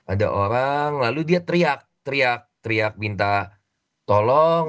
ada orang lalu dia teriak teriak teriak minta tolong